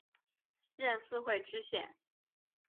任四会知县。